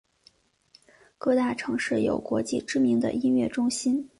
各大城市有国际知名的音乐中心。